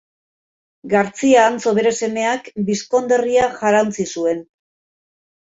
Gartzia Antso bere semeak bizkonderria jarauntsi zuen.